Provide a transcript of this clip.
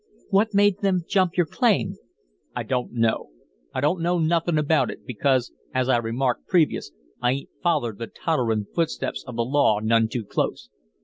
"What made them jump your claim?" "I don't know. I don't know nothin' about it, because, as I remarked previous, I 'ain't follered the totterin' footsteps of the law none too close.